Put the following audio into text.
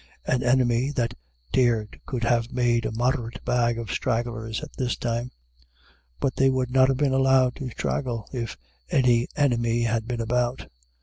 An enemy that dared could have made a moderate bag of stragglers at this time. But they would not have been allowed to straggle, if any enemy had been about.